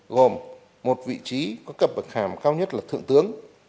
gồm một vị trí có cấp bậc hàm cao nhất là thượng tướng